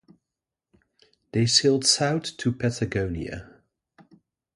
They sailed south to Patagonia.